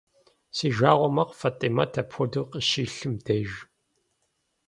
Си жагъуэ мэхъу Фатӏимэт апхуэдэу къыщилъым деж.